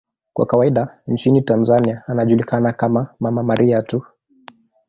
Kwa kawaida nchini Tanzania anajulikana kama 'Mama Maria' tu.